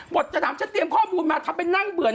จะถามฉันเตรียมข้อมูลมาทำไปนั่งเบื่อ